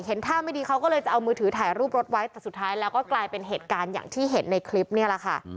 ท่าไม่ดีเขาก็เลยจะเอามือถือถ่ายรูปรถไว้แต่สุดท้ายแล้วก็กลายเป็นเหตุการณ์อย่างที่เห็นในคลิปนี่แหละค่ะ